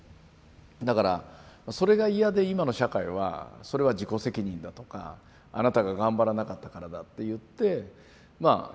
だからそれが嫌で今の社会はそれは自己責任だとかあなたが頑張らなかったからだっていってまあ結果的には見捨てるんですよね。